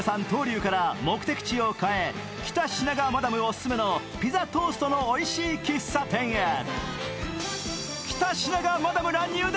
登龍から目的地を変え北品川マダムオススメのピザトーストのおいしい喫茶店へ。